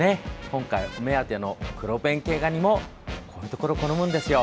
今回お目当てのクロベンケイガニもこういうところを好むんですよ。